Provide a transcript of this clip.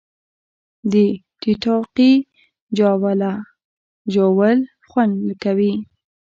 د ټیټاقې جاوله ژوول خوند کوي